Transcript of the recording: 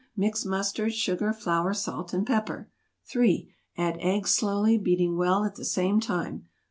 Mix mustard, sugar, flour, salt and pepper. 3. Add egg slowly, beating well at the same time.